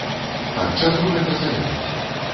Ад чаго гэта залежыць?